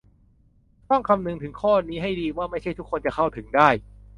ต้องคำนึงถึงข้อนี้ให้ดีว่าไม่ใช่ทุกคนจะเข้าถึงได้